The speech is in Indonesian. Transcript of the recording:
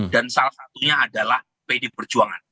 dan salah satunya adalah pdi perjuangan